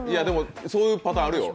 でもそういうパターンあるよ。